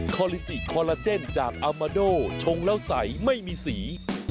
คอลิจิคอลลาเจนจากอามาโดชงแล้วใสไม่มีสี